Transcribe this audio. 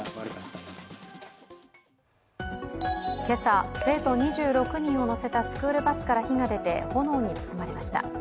今朝、生徒２６人を乗せたスクールバスから火が出て、炎に包まれました。